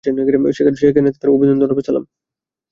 সেখানে তাদের অভিবাদন হবে সালাম।